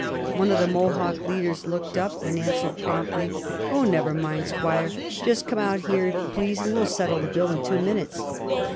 One of the Mohawk leaders looked up and answered promptly: "Oh, never mind, squire. Just come out here, if you please, and we'll settle the bill in two minutes."